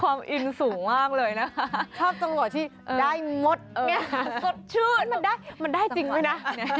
หาดูได้หลังนะพวกเตชินไทยรัฐวันนี้